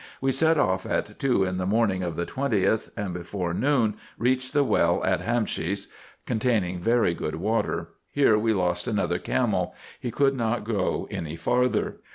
We set off at two in the morning of the 20th, and, before noon, reached the well at Hamesh, containing very good water. Here we lost another camel ; he could not go any farther.